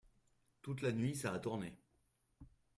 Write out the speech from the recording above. Toute la nuit ça a tourné…